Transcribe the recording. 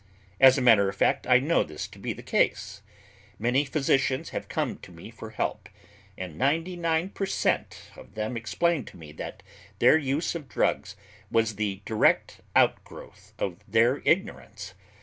As a matter of fact, I know this to be the case; many physicians have come to me for help, and ninety nine per cent. of them explained to me that their use of drugs was the direct outgrowth of their ignorance.